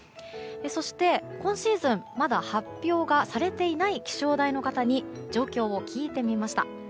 そして、今シーズンまだ発表がされていない気象台の方に状況を聞いてみました。